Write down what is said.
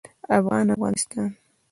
افغان او افغانستان